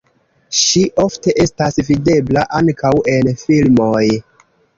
Ŝi ofte estas videbla ankaŭ en filmoj.